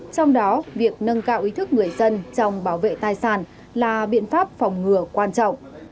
trong đó việc nâng cao ý thức người dân trong bảo vệ tài sản là biện pháp phòng ngừa quan trọng